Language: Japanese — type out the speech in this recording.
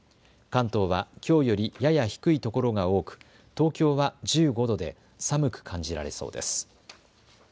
関東はきょうより、やや低いところが多く東京は１５度で寒く感じられそうです。